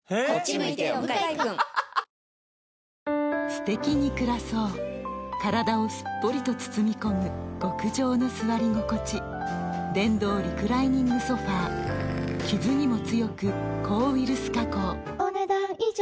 すてきに暮らそう体をすっぽりと包み込む極上の座り心地電動リクライニングソファ傷にも強く抗ウイルス加工お、ねだん以上。